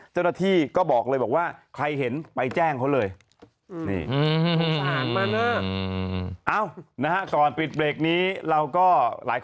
เจ้าหน้าที่ก็บอกเลยบอกว่าใครเห็นไปแจ้งเขาเลย